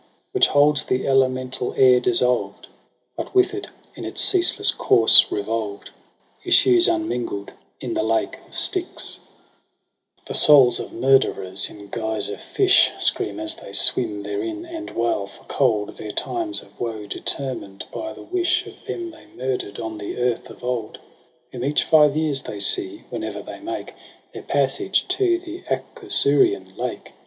Which holds the elemental air dissolved j But with it in its ceaseless course revolved Issues unmingl'd in the lake of Styx. i^a EROS 6 PSYCHE ' The souls of murderers, in guise of fish, Scream as they swim therein and wail for cold. Their times of woe determined by the wish Of them they murder'd on the earth of old : Whom each five years they see, whene'er they make Their passage to the Acherusian lake.